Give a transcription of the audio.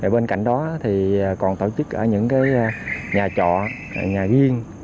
bên cạnh đó thì còn tổ chức ở những nhà trọ nhà viên